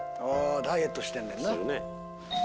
ダイエットしてんねんな。